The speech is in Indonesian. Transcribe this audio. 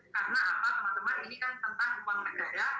karena apa teman teman ini kan tentang uang negara